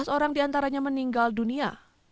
sebelas orang diantaranya meninggal dunia